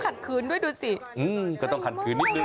น้องขัดคืนด้วยดูสิ